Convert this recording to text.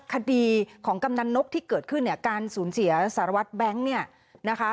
คดีของกำนักนกที่เกิดขึ้นอาการสูญเสียสารวัฒน์แบงค์